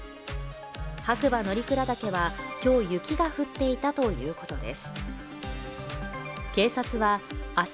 白馬乗鞍岳はきょう、雪が降っていたということです。